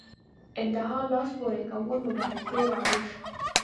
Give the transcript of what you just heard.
انتحار لاس پورې کول مبارزې روش